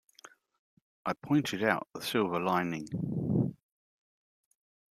I pointed out the silver lining.